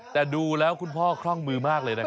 แต่ดูแล้วคุณพ่อคล่องมือมากเลยนะครับ